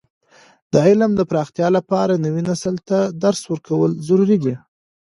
د علم د پراختیا لپاره، نوي نسل ته درس ورکول ضروري دي.